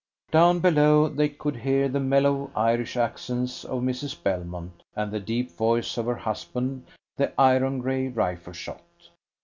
Down below they could hear the mellow Irish accents of Mrs. Belmont and the deep voice of her husband, the iron grey rifle shot.